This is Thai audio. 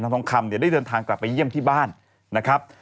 ทองคำเนี่ยได้เดินทางกลับไปเยี่ยมที่บ้านนะครับ